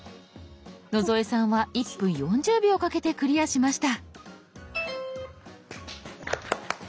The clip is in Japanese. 野添さんは１分４０秒かけてクリアしました。